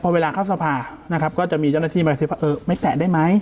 พอเวลาเข้าสภานะครับก็จะมีเจ้าหน้าที่มาซิว่าเออไม่แตะได้ไหม